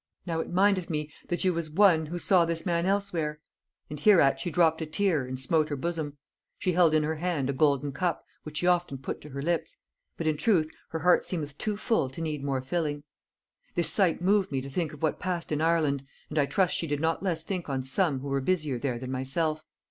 now it mindeth me that you was one who saw this man elsewhere, and hereat she dropped a tear and smote her bosom; she held in her hand a golden cup, which she often put to her lips; but in truth her heart seemeth too full to need more filling. This sight moved me to think of what passed in Ireland, and I trust she did not less think on some who were busier there than myself.